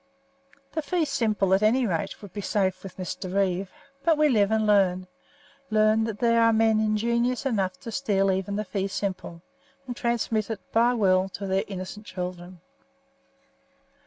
The fee simple, at any rate, would be safe with Mr. Reeve; but we live and learn learn that there are men ingenious enough to steal even the fee simple, and transmit it by will to their innocent children.